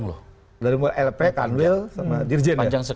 ini tahapnya panjang loh